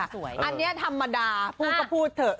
อันนี้ธรรมดาพูดก็พูดเถอะ